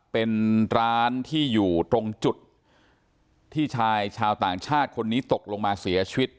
เป็นร้านที่อยู่ตรงจุดที่ชายชาวต่างชาติคนนี้ตกลงมาเสียชีวิต